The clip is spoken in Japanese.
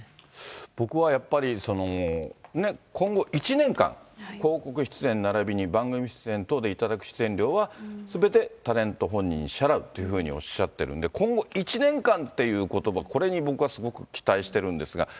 僕はやっぱり、ね、今後１年間、広告出演ならびに番組出演等で頂く出演料は、すべてタレント本人に支払うというふうにおっしゃってるんで、今後１年間っていうことば、これに僕はすごく期待してるんですが。